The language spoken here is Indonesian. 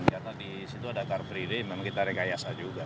karena di situ ada car free day memang kita rekayasa juga